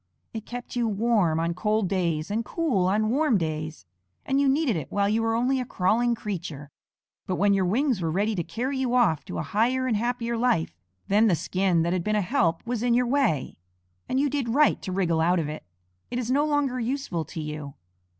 It kept you warm on cold days and cool on warm days, and you needed it while you were only a crawling creature. But when your wings were ready to carry you off to a higher and happier life, then the skin that had been a help was in your way, and you did right to wriggle out of it. It is no longer useful to you.